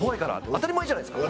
当たり前じゃないですか。